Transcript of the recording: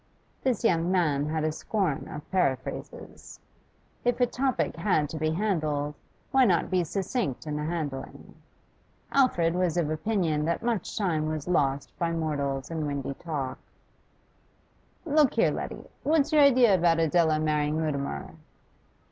This young man had a scorn of periphrases. If a topic had to be handled, why not be succinct in the handling? Alfred was of opinion that much time was lost by mortals in windy talk. 'Look here, Letty; what's your idea about Adela marrying Mutimer?